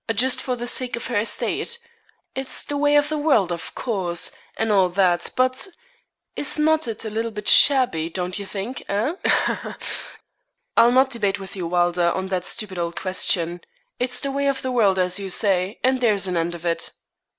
'Just for the sake of her estate it's the way of the world, of course, and all that but, is not it a little bit shabby, don't you think? Eh? Ha, ha, ha!' 'I'll not debate with you, Wylder, on that stupid old question. It's the way of the world, as you say, and there's an end of it.'